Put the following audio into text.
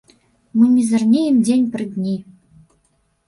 Мы мізарнеем дзень пры дні!